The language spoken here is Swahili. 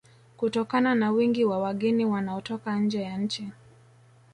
Kutokana na wingi wa wageni wanaotoka nje ya nchi